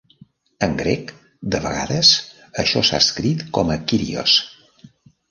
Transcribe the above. En grec, de vegades això s'ha traduït com a "Kyrios".